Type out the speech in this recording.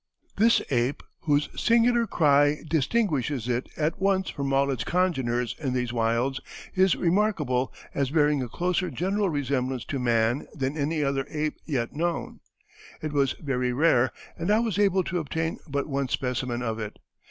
This ape, whose singular cry distinguishes it at once from all its congeners in these wilds, is remarkable as bearing a closer general resemblance to man than any other ape yet known. It was very rare, and I was able to obtain but one specimen of it.